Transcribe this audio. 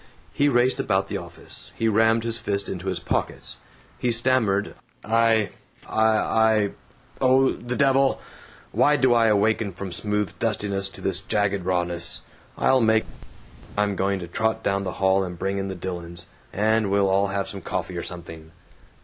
He raced about the office; he rammed his fists into his pockets. He stammered, "I I I Oh, the devil! Why do I awaken from smooth dustiness to this jagged rawness? I'll make I'm going to trot down the hall and bring in the Dillons, and we'll all have coffee or something."